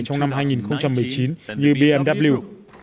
trong năm hai nghìn một mươi chín như bmw